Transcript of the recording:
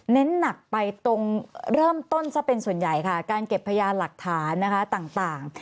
หนักไปตรงเริ่มต้นซะเป็นส่วนใหญ่ค่ะการเก็บพยานหลักฐานนะคะต่าง